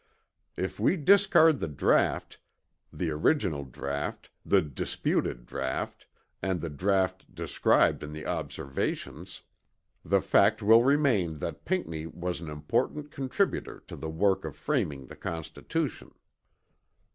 If we discard the draught the original draught, the disputed draught, and the draught described in the Observations, the fact will remain that Pinckney was an important contributor to the work of framing the Constitution.